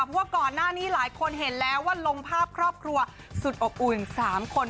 เพราะว่าก่อนหน้านี้หลายคนเห็นแล้วว่าลงภาพครอบครัวสุดอบอุ่น๓คน